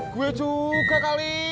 gua juga kali